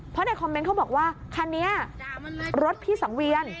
เพราะในคอมเมนต์เขาบอกว่าคันนี้รถพี่สังเวียน